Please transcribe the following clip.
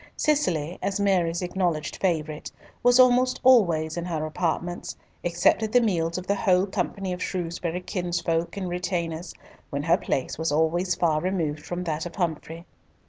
Cicely, as Mary's acknowledged favourite, was almost always in her apartments, except at the meals of the whole company of Shrewsbury kinsfolk and retainers, when her place was always far removed from that of Humfrey.